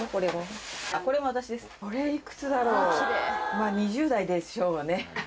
まぁ２０代でしょうね。